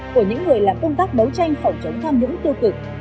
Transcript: của những người làm công tác đấu tranh phòng chống tham nhũng tiêu cực